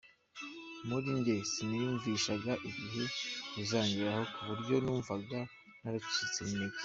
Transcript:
Muri njye siniyumvishaga igihe ruzangereraho kuburyo numvaga naracitse n’intege.